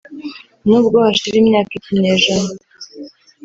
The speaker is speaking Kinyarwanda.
n’ubwo hashira imyaka ikinyejana